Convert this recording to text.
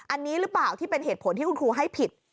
อันนี้หรือเปล่าที่เป็นเหตุผลที่คุณครูให้ผิด